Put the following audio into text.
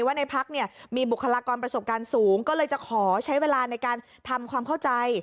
ว่าในพักเนี่ยมีบุคลากรประสบการณ์สูงก็เลยจะขอใช้เวลาในการทำความเข้าใจ